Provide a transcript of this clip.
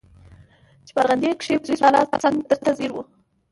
چې په ارغندې کښې پوليس والا څنګه درته ځير و.